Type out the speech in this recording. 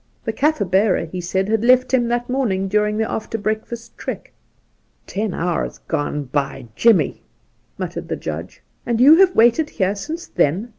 The Kaffir bearer, he said, had left him that morning during the after breakfast trek. ' Ten hours gone, by Jimmie 1' muttered the Judge. ' And you have waited here since then